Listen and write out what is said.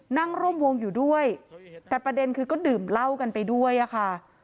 นั่งร่วมวงอยู่ด้วยแต่ประเด็นคือก็ดื่มเหล้ากันไปด้วยอะค่ะ